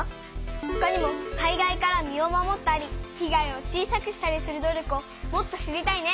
ほかにも災害から身を守ったり被害を小さくしたりする努力をもっと知りたいね！